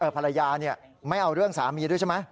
ภรรยาไม่เอาเรื่องสามีด้วยใช่ไหม